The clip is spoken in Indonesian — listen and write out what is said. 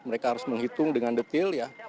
mereka harus menghitung dengan detil ya